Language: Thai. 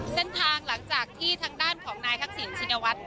หลังจากที่ทางด้านของนายทักษิณชินวัฒน์